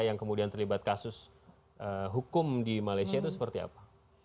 yang kemudian terlibat kasus hukum di malaysia itu seperti apa